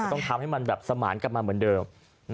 ต้องทำให้มันแบบสมานกลับมาเหมือนเดิม